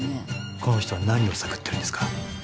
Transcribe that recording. この人は何を探ってるんですか？